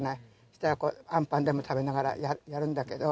したらこう、あんぱんでも食べながらやるんだけど。